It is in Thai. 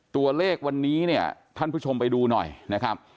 ตัวเลขวันนี้เนี่ยท่านผู้ชมไปดูหน่อยนะครับ